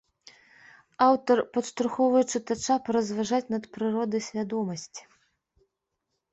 Аўтар падштурхоўвае чытача паразважаць над прыродай свядомасці.